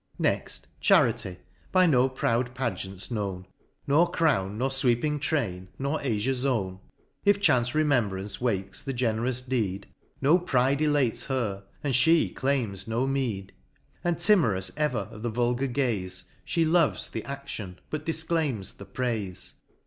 — Next Charity, — by no proud pageants known, Nor crown, nor fweeping train, nor azure zone. — If chance remembrance wakes the generous deed, No pride elates her, and fhe claims no meed ; And MOUNT PLEASANT. 23 And timorous ever of the vulgar gaze, She loves the adlion, but difclaims the praife.